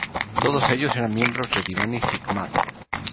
Todos ellos eran miembros de Divani-Hikmat.